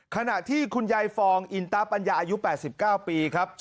ขณะที่คุณยายฟองอินตาปัญญาอายุ๘๙ปีครับ